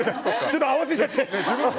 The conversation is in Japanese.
ちょっと慌てちゃって。